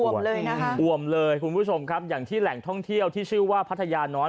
วมเลยนะคะอวมเลยคุณผู้ชมครับอย่างที่แหล่งท่องเที่ยวที่ชื่อว่าพัทยาน้อย